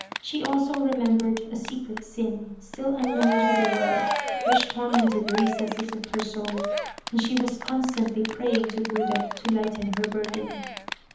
She also remembered a secret sin, still unknown to the world, which tormented the recesses of her soul, and she was constantly praying to Buddha to lighten her burden.